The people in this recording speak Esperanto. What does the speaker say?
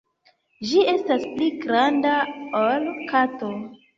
Ĝi estas pli granda ol kato.